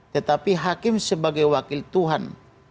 tetapi hakim sebagai wakil tuhan